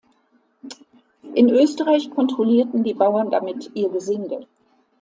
In Österreich kontrollierten die Bauern damit ihr Gesinde.